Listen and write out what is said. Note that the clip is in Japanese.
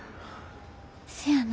せやな。